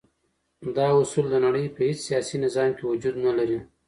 دا اصول د نړی په هیڅ سیاسی نظام کی وجود نلری.